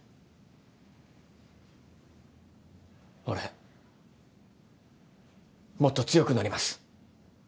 俺もっと強くなります。